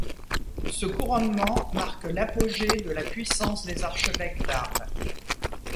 Ce couronnement marque l’apogée de la puissance des archevêques d’Arles.